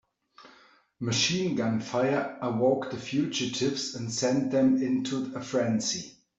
Machine gun fire awoke the fugitives and sent them into a frenzy.